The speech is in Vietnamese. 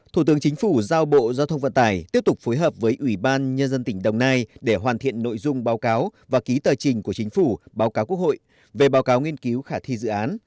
thủ tướng chính phủ giao bộ giao thông vận tải tiếp tục phối hợp với ủy ban nhân dân tỉnh đồng nai để hoàn thiện nội dung báo cáo và ký tờ trình của chính phủ báo cáo quốc hội về báo cáo nghiên cứu khả thi dự án